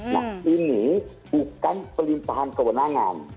nah ini bukan pelimpahan kewenangan